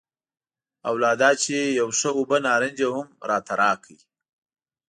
او لا دا چې یو ښه اوبه نارنج یې هم راته راکړ.